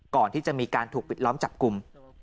ก่อนที่จะมีการถูกปิดล้อมจับกลุ่ม